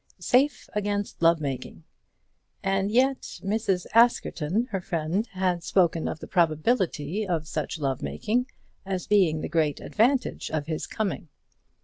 Safe against love making! And yet Mrs. Askerton, her friend, had spoken of the probability of such love making as being the great advantage of his coming.